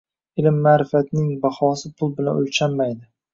Ilm-maʼrifatning bahosi pul bilan oʻlchanmaydi